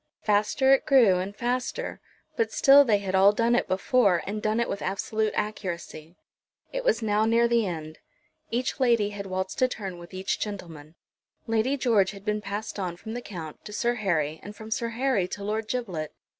Faster it grew and faster; but still they had all done it before, and done it with absolute accuracy. It was now near the end. Each lady had waltzed a turn with each gentleman. Lady George had been passed on from the Count to Sir Harry, and from Sir Harry to Lord Giblet.